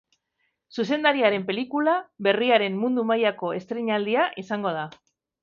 Zuzendariaren pelikula berriaren mundu-mailako estreinaldia izango da.